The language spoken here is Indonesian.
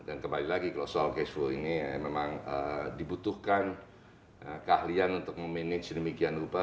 dan kembali lagi kalau soal cash flow ini memang dibutuhkan keahlian untuk memanage demikian rupa